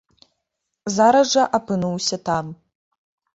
Зараз жа апынуўся там.